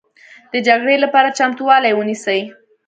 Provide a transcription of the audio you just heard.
د جګړې لپاره چمتوالی ونیسئ